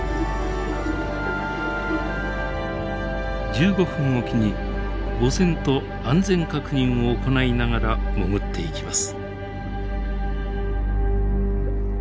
１５分置きに母船と安全確認を行いながら潜っていきます。